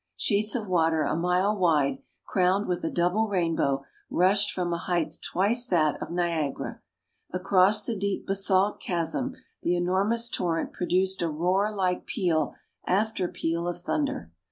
Sheets of water a mile wide, crowned with a double rainbow, rushed from a height twice that of Niagara. Across the deep basalt chasm the enormous torrent produced a roar like peal after peal of thunder.